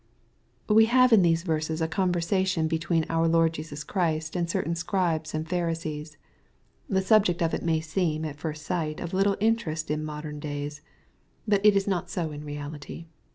We have in these verses a conversation between out Lord Jesus Christy and certain Scribes and Pharisees. The subject of it may seem^ at first sight^ of little inter est in modem days. Bnt it is not so in reality.